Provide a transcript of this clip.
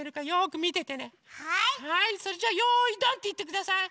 はいそれじゃ「よいドン」っていってください！